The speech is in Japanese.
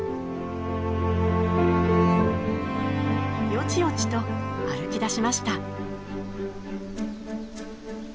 よちよちと歩きだしました。